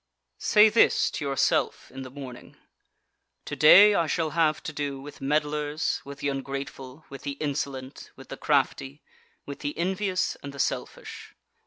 1. Say this to yourself in the morning: Today I shall have to do with meddlers, with the ungrateful, with the insolent, with the crafty, with the envious and the selfish.